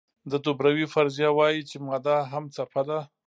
د دوبروی فرضیه وایي چې ماده هم څپه ده.